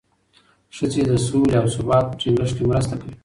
ښځې د سولې او ثبات په ټینګښت کې مرسته کوي.